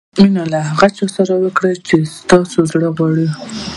مینه د هغه چا سره وکړه چې ستا زړه یې غواړي.